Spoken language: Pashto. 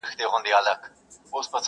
چي کمزوری دي ایمان دی که غښتلی دي شیطان -